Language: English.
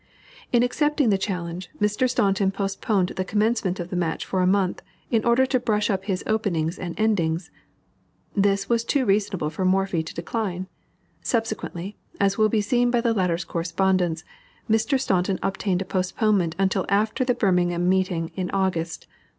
In accepting the challenge, Mr. Staunton postponed the commencement of the match for a month, "in order to brush up his openings and endings." This was too reasonable for Morphy to decline. Subsequently, as will be seen by the latter's correspondence, Mr. Staunton obtained a postponement until after the Birmingham meeting, in August.